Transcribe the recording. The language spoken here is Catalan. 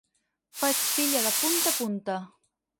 Faig s'illa de punta a punta.